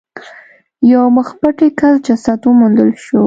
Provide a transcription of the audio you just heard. یو مخ پټي کس جسد وموندل شو.